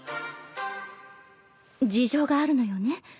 事情があるのよね？